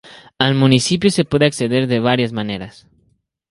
Al municipio se puede acceder de varias maneras.